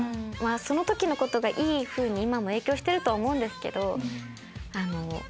その時のことがいいふうに今も影響してると思うんですけど。